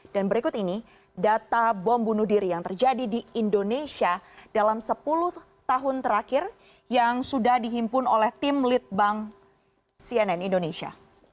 dan berikut ini data bom bunuh diri yang terjadi di indonesia dalam sepuluh tahun terakhir yang sudah dihimpun oleh tim lead bank cnn indonesia